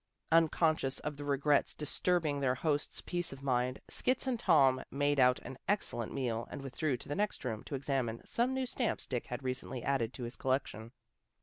Unconscious of the regrets disturbing their host's peace of mind, Skits and Tom made out an excellent meal, and withdrew to the next room to examine some new stamps Dick had recently added to his collection.